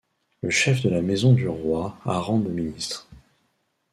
Le chef de la Maison du roi a rang de ministre.